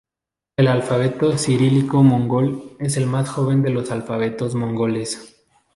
El alfabeto cirílico mongol es el más joven de los alfabetos mongoles.